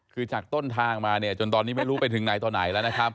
คือจากต้นทางมาเนี่ยจนตอนนี้ไม่รู้ไปถึงไหนต่อไหนแล้วนะครับ